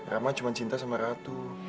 rama cuma cinta sama ratu